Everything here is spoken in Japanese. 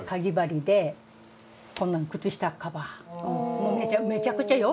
もうめちゃくちゃよ。